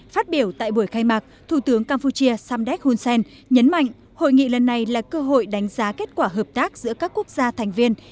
phát biểu tại buổi khai mạc thủ tướng campuchia samdek hun sen nhấn mạnh hội nghị lần này là cơ hội đánh giá kết quả hợp tác giữa các quốc gia thành viên